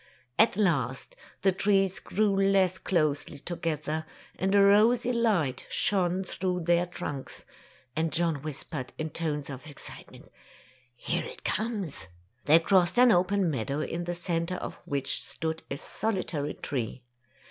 At last the trees grew less closely to gether, and a rosy light shone through their trunks, and John whispered, in tones of excitement, ''Here it comes!" They crossed an open meadow, in the centre of which stood a solitary tree.